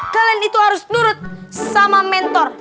kalian itu harus nurut sama mentor